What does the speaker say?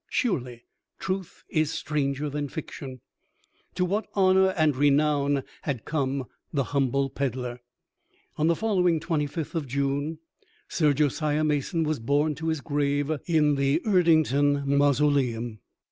Surely truth is stranger than fiction! To what honor and renown had come the humble peddler! On the following 25th of June, Sir Josiah Mason was borne to his grave, in the Erdington mausoleum.